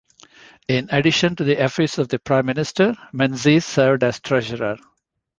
In addition to the office of Prime Minister, Menzies served as Treasurer.